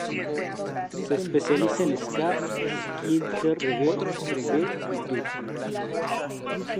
Se especializa en ska, skinhead reggae, reggae y dub.